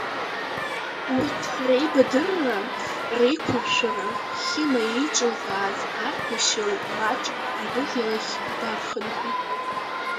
Урҭ реибадырра, реиқәыршәара Хьыма еиҿылкааз Ардашьыл маҷк арыӷьарахь дархынҳәит.